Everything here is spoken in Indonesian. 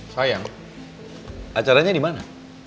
sayang acaranya dimana